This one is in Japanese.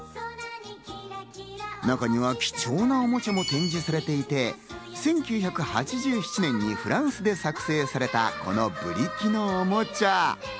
中には貴重なおもちゃも展示されていて、１９８７年にフランスで作成されたこのブリキのおもちゃ。